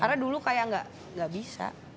karena dulu kayak gak bisa